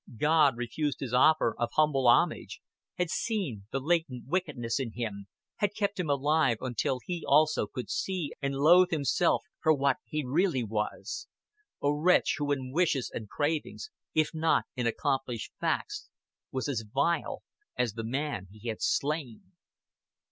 God refused his offer of humble homage, had seen the latent wickedness in him, had kept him alive until he also could see and loathe himself for what he really was a wretch who in wishes and cravings, if not in accomplished facts, was as vile as the man he had slain.